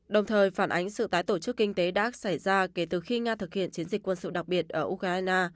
đồng thời phản ánh sự tái tổ chức kinh tế đã xảy ra kể từ khi nga thực hiện chiến dịch quân sự đặc biệt ở ukraine